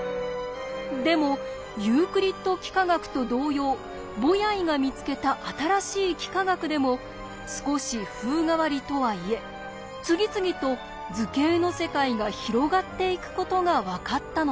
でもユークリッド幾何学と同様ボヤイが見つけた新しい幾何学でも少し風変わりとはいえ次々と図形の世界が広がっていくことが分かったのです。